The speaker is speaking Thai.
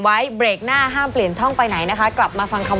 ไว้เบรกหน้าห้ามเปลี่ยนช่องไปไหนนะคะกลับมาฟังคำ